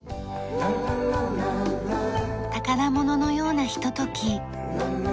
宝物のようなひととき。